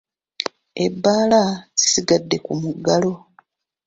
Ebbaala zisigadde ku muggalo.